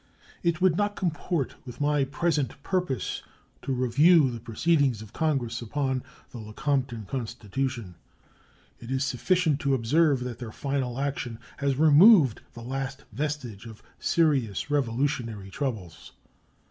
It would not comport with my present purpose to review the proceedings of Congress upon the Lecompton constitution. It is sufficient to observe that their final action has removed the last vestige of serious revolutionary troubles.